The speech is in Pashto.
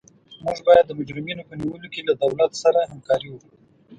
موږ باید د مجرمینو په نیولو کې له دولت سره همکاري وکړو.